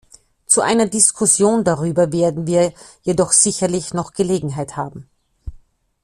Zu einer Diskussion darüber werden wir jedoch sicherlich noch Gelegenheit haben.